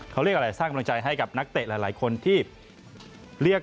เขาเรียกอะไรสร้างกำลังใจให้กับนักเตะหลายคนที่เรียก